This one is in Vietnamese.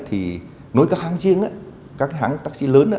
thì nói các hãng riêng á các hãng taxi lớn á